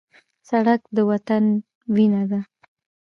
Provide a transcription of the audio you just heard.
سړک د وطن وینه ده.